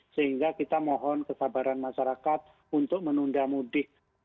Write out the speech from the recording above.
sehingga kita mohon kesabaran masyarakat untuk menunda mudik